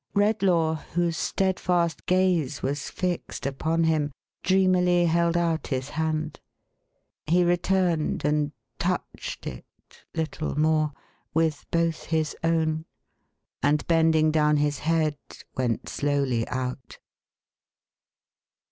Redlaw, whose steadfast gaze was fixed upon him, dreamily held out his hand. He returned and touched it— little more —with both his own— and bending down his head, went slowly out.